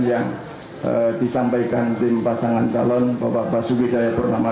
yang disampaikan tim pasangan talon bapak basu widaya purnama